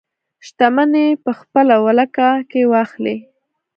شتمنۍ په خپله ولکه کې واخلي.